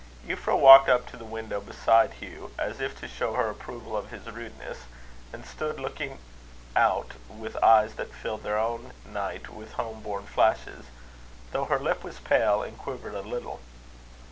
Euphra walked up to the window beside Hugh, as if to show her approval of his rudeness; and stood looking out with eyes that filled their own night with home born flashes, though her lip was pale, and quivered a little.